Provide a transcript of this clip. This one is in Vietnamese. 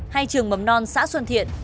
hay trường mầm non xã xuân thiện